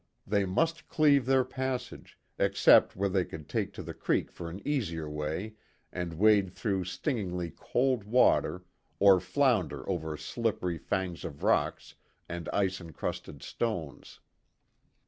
They must cleave their passage, except where they could take to the creek for an easier way and wade through stingingly cold water or flounder over slippery fangs of rock and ice encrusted stones.